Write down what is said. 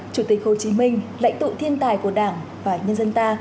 chủ tịch hồ chí minh lãnh tụ thiên tài của đảng và nhân dân ta